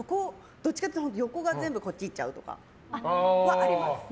どっちかっていうと横が全部こっちに行っちゃうとかはあります。